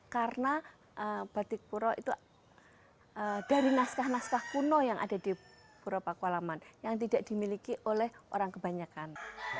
karena batik puro itu dari naskah naskah kuno yang ada di puro paku alaman yang tidak dimiliki oleh orang kebanyakan